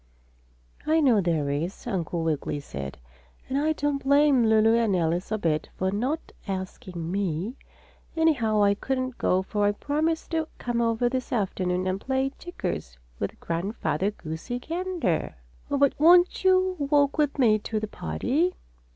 "I know there is," Uncle Wiggily said, "and I don't blame Lulu and Alice a bit for not asking me. Anyhow I couldn't go, for I promised to come over this afternoon and play checkers with Grandfather Goosey Gander." "Oh, but won't you walk with me to the party?"